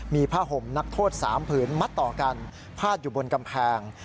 มีผ้าห่มนักโทษ๓ผืนมัดต่อกันพาดอยู่บนกำแพง